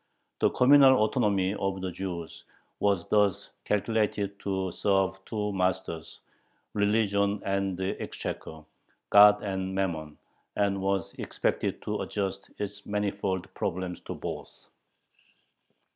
The communal autonomy of the Jews was thus calculated to serve two masters, religion and the exchequer, God and mammon, and was expected to adjust its manifold problems to both.